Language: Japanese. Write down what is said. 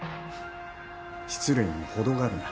失礼にもほどがあるな。